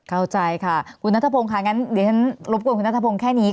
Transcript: เข้าใจค่ะคุณนัทพงศ์ค่ะงั้นเดี๋ยวฉันรบกวนคุณนัทพงศ์แค่นี้